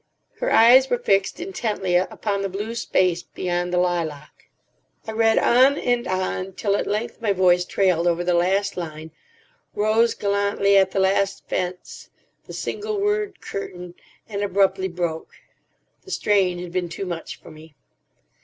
Her eyes were fixed intently upon the blue space beyond the lilac. I read on and on, till at length my voice trailed over the last line, rose gallantly at the last fence, the single word Curtain, and abruptly broke. The strain had been too much for me.